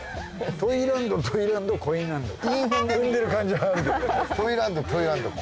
トイランドトイランドコインランド。